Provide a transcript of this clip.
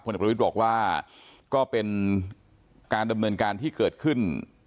เอกประวิทย์บอกว่าก็เป็นการดำเนินการที่เกิดขึ้น